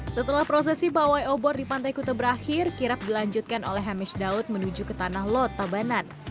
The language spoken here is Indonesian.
setelah prosesi pawai obor di pantai kuta berakhir kirap dilanjutkan oleh hamish daud menuju ke tanah lot tabanan